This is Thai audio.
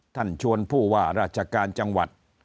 ชวนผู้ว่าราชการจังหวัด